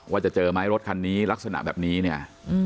ว่าจะเจอไหมรถคันนี้ลักษณะแบบนี้เนี่ย